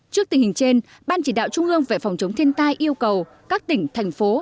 trước tình hình trên ban chỉ đạo trung ương về phòng chống thiên tai yêu cầu các tỉnh thành phố